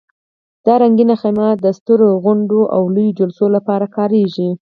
دا رنګینه خیمه د سترو غونډو او لویو جلسو لپاره کارېږي.